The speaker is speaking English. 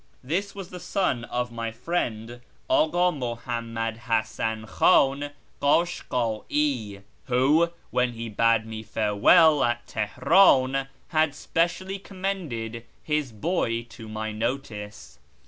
This was the son of my friend Aka Muhammad SHIRAz 265 Hasan Khan Kashka'i, who, when he bade me farewell at Teher; in, had specially commended his boy to my notice.